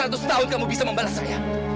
terlalu cepat seratus tahun kamu bisa membalas saya